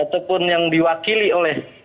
ataupun yang diwakili oleh